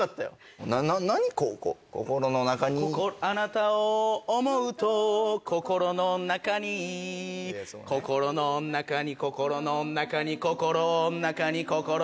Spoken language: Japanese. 「あなたを思うと心の中に」「心の中に心の中に心の中に心の中に」